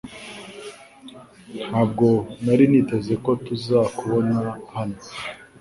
Ntabwo nari niteze ko tuzakubona hano